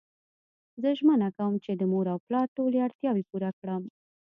زه ژمنه کوم چی د مور او پلار ټولی اړتیاوی پوره کړم